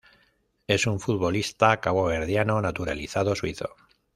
Es un futbolista caboverdiano naturalizado suizo.